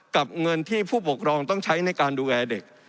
เงินที่ผู้ปกครองต้องใช้ในการดูแลเด็ก